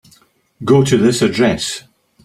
Go to this address.